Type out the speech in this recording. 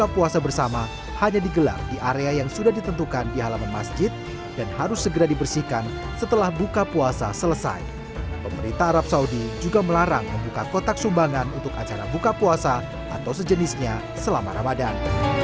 pemerintah arab saudi juga melarang membuka kotak sumbangan untuk acara buka puasa atau sejenisnya selama ramadan